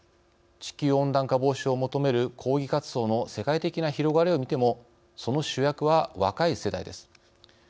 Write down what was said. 地球温暖化防止を求める抗議活動の世界的な広がりを見てもその主役は若い世代です。